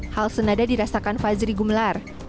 hal senada dirasakan fazri gumelar